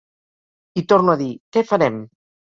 I torno a dir: què farem?